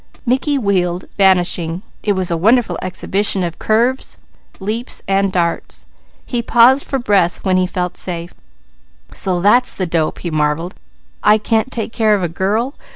Mickey wheeled, vanishing. It was a wonderful exhibition of curves, leaps, and darts. He paused for breath when he felt safe. "So that's the dope!" he marvelled. "I can't take care of a girl?